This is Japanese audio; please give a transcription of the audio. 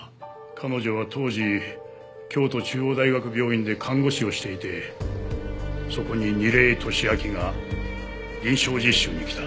彼女は当時京都中央大学病院で看護師をしていてそこに楡井敏秋が臨床実習に来た。